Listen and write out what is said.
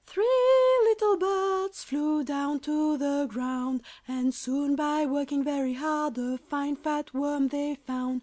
Three little birds Flew down to the ground, And soon, by working very hard, A fine fat worm they found.